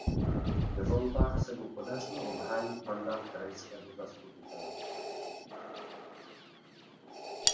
Ve volbách se mu podařilo obhájit mandát krajského zastupitele.